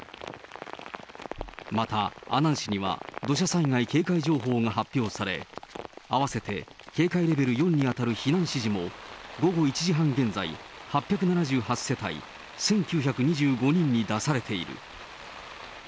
また、阿南市には土砂災害警戒情報が発表され、あわせて警戒レベル４に当たる避難指示も、午後１時半現在、８７８世帯１９２５人に出されている。